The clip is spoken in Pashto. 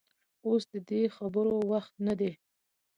اوس د دې خبرو وخت نه دى.